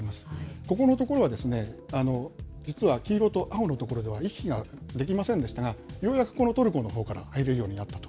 ここの所はですね、実は黄色と青の所では、行き来ができませんでしたが、ようやくこのトルコのほうから入れるようになったと。